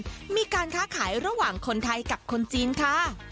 มีการค้าขายระหว่างคนไทยกับคนจีนค่ะ